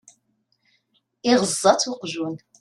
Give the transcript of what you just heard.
Iɣeẓẓa-tt uqjun.